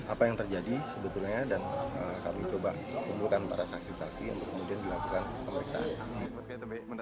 apa yang terjadi sebetulnya dan kami coba kumpulkan para saksi saksi untuk kemudian dilakukan pemeriksaan